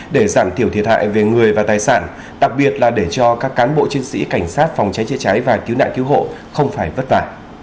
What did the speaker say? để giảm thiểu thiệt hại về người và tài sản đặc biệt là để cho các cán bộ chiến sĩ cảnh sát phòng cháy chữa cháy và cứu nạn cứu hộ không phải vất vả